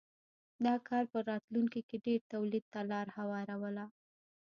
دا کار په راتلونکې کې ډېر تولید ته لار هواروله.